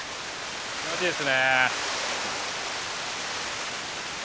気持ちいいですね。